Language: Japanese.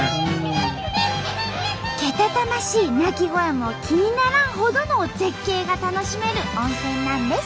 けたたましい鳴き声も気にならんほどの絶景が楽しめる温泉なんです。